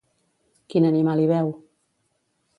Quin animal hi veu?